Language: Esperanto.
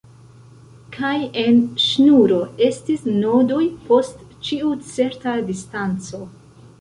Kaj en ŝnuro estis nodoj post ĉiu certa distanco.